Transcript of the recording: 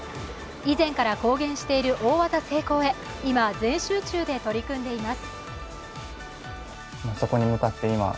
以前から公言している大技成功へ、今、全集中で取り組んでいます。